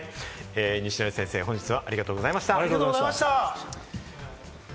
西成先生、本日はありがとうございました。